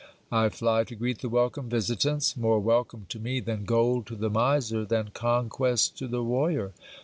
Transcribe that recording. I fly to greet the welcome visitants more welcome to me than gold to the miser, than conquest to the warrior.